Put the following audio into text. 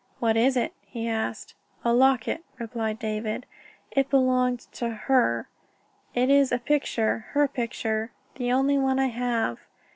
"What is it?" he asked. "A locket," replied David. "It belonged to her. In it is a picture her picture the only one I have.